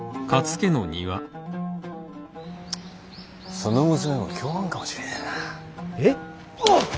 その娘も共犯かもしれねえな。